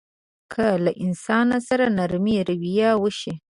که له انسان سره نرمه رويه وشي.